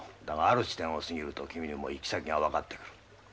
だがある地点を過ぎると君にも行き先が分かってくる。